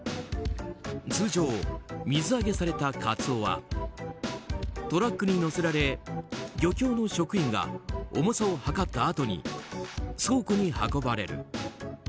通常、水揚げされたカツオはトラックに載せられ漁協の職員が重さを量ったあとに倉庫に運ばれる。